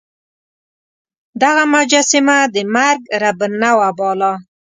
دغه مجسمه د مرګ رب النوع باله.